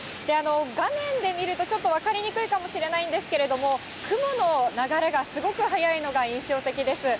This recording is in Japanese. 画面で見るとちょっと分かりにくいかもしれないんですけれども、雲の流れがすごく速いのが印象的です。